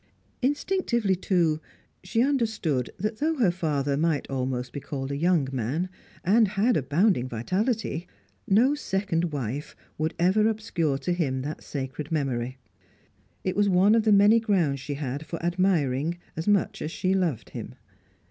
Instinctively, too, she understood that, though her father might almost be called a young man, and had abounding vitality, no second wife would ever obscure to him that sacred memory. It was one of the many grounds she had for admiring as much as she loved him.